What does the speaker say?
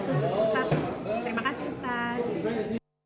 terima kasih ustadz